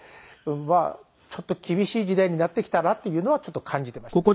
まあちょっと厳しい時代になってきたなというのはちょっと感じていましたね。